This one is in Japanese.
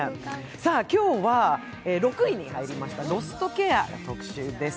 今日は６位に入りました「ロストケア」の特集です。